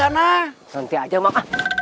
nanti aja mak